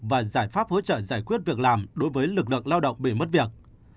và giải pháp hỗ trợ giải quyết việc làm đối với lực lượng lao động bị mất việc